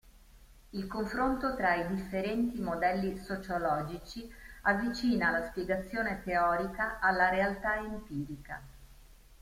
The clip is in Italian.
Il confronto tra i differenti modelli sociologici avvicina la spiegazione teorica alla realtà empirica.